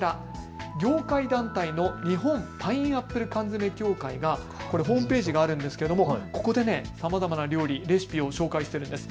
業界団体の日本パインアップル缶詰協会のホームページがあるんですけれどもさまざまな料理レシピを紹介しています。